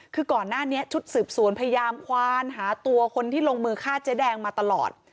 คือก่อนหน้านี้ชุดสืบสวนพยายามควานหาตัวคนที่ลงมือฆ่าเจ๊แดงมาตลอด